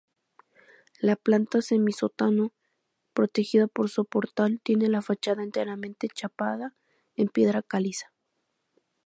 La planta semisótano, protegida por soportal, tiene la fachada enteramente chapada en piedra caliza.